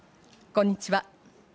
こんにちは。